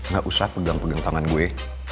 gak usah pegang pegang tangan gue